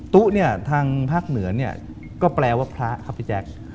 ตู้ทางภาคเหนือก็แปลว่าพระครับพี่แจ๊ค